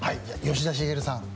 吉田茂さん。